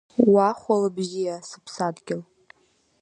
Уа хәлыбзиа, сыԥсадгьыл!